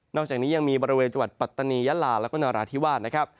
อกจากนี้ยังมีบริเวณจังหวัดปัตตานียะลาแล้วก็นราธิวาสนะครับ